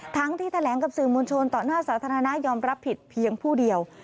ทั้งที่แถลงกับสื่อมวลชนต่อหน้าสาธารณะยอมรับผิดเพียงผู้เดียว